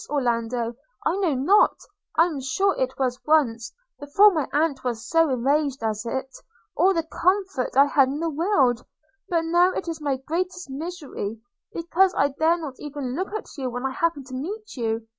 Orlando, I know not, I am sure it was once, before my aunt was so enraged at it, all the comfort I had in the world; but now it is my greatest misery, because I dare not even look at you when I happen to meet you.